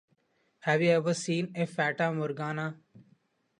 Have you ever seen a Fata Morgana?